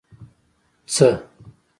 څه